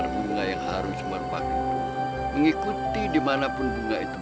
bagus banget kek